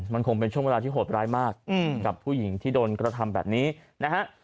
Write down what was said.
มันคงเป็นช่วงเวลาที่โหดร้ายมากกับผู้หญิงที่โดนกระทำแบบนี้นะฮะ